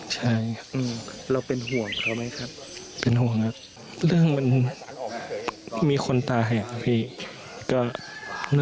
ใช่เราเป็นห่วงเขาไหมครับเป็นห่วงครับเรื่องมันมีคนตายอ่ะครับพี่